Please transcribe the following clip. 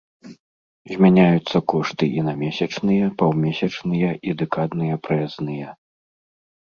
Змяняюцца кошты і на месячныя, паўмесячныя і дэкадныя праязныя.